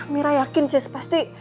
mirah yakin jess pasti